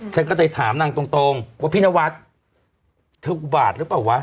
ฉันก็จะถามนางตรงว่าพี่นวัดเธออุบาทหรือเปล่าวะ